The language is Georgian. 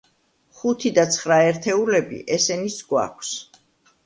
ხუთი და ცხრა ერთეულები, ესენიც გვაქვს.